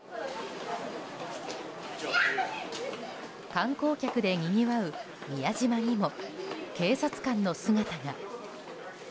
観光客でにぎわう宮島にも警察官の姿が。